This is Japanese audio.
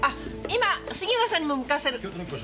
今杉浦さんにも向かわせる！